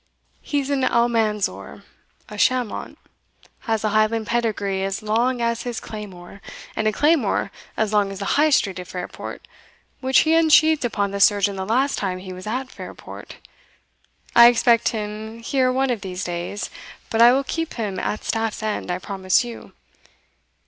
He's an Almanzor, a Chamont has a Highland pedigree as long as his claymore, and a claymore as long as the High Street of Fairport, which he unsheathed upon the surgeon the last time he was at Fairport. I expect him here one of these days; but I will keep him at staff's end, I promise you.